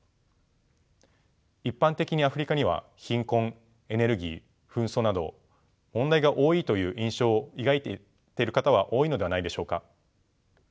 一般的にアフリカには貧困エネルギー紛争など問題が多いという印象を抱いている方は多いのではないでしょうか。